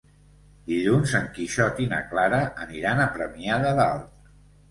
Dilluns en Quixot i na Clara aniran a Premià de Dalt.